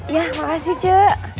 ya makasih cu